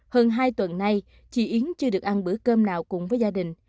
hơn hai tuần nay chị yến chưa được ăn bữa cơm nào cùng với gia đình